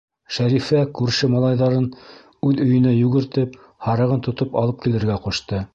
Шәрифә күрше малайҙарын үҙ өйөнә йүгертеп, һарығын тотоп алып килергә ҡушты.